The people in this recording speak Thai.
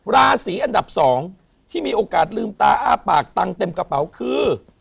ราศีอันดับ๒ที่มีโอกาสลืมตาอ้าปากตังค์เต็มกระเป๋าคือ